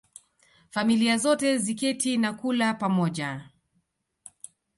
Familia zote ziketi na kula pamoja